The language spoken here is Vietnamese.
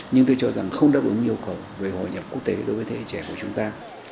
nhưng tôi cho rằng không đáp ứng yêu cầu về hội nhập quốc tế đối với thế hệ trẻ của chúng ta